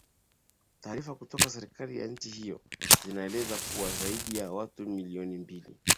taarifa kutoka serikali ya nchi hiyo zinaeleza kuwa zaidi ya watu milioni mbili